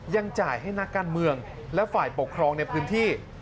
จ่ายให้นักการเมืองและฝ่ายปกครองในพื้นที่